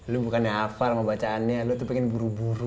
lu bukan yang hafal sama bacaannya lu tuh pengen buru buru